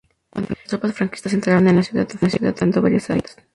Cuando las tropas franquistas entraron en la ciudad, Ofelia les cantó varias saetas.